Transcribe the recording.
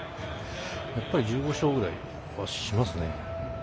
やっぱり１５勝ぐらいはしますね。